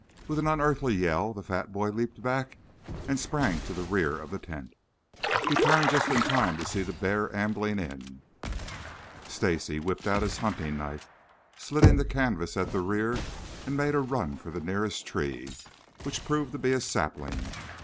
With an unearthly yell, the fat boy leaped back and sprang to the rear of the tent. He turned just in time to see the bear ambling in. Stacy whipped out his hunting knife, slitting the canvas at the rear, and made a run for the nearest tree, which proved to be a sapling.